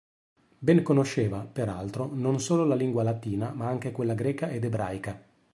Ben conosceva, peraltro, non solo la lingua latina, ma anche quella greca ed ebraica.